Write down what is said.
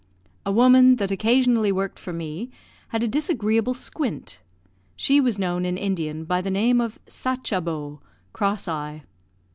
A woman, that occasionally worked for me, had a disagreeable squint; she was known in Indian by the name of Sachabo, "cross eye."